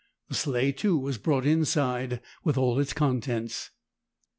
The sleigh, too, was brought inside with all its contents.